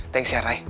thanks ya ray